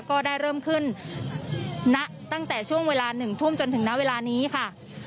ก็ได้เริ่มขึ้นณตั้งแต่ช่วงเวลา๑ทุ่มจนถึงณเวลานี้ค่ะ